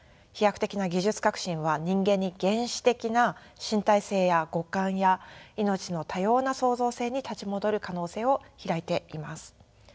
飛躍的な技術革新は人間に原始的な身体性や五感や命の多様な創造性に立ち戻る可能性を開いています。